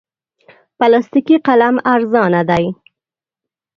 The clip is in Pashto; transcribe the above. پلاستیکي قلم ارزانه دی.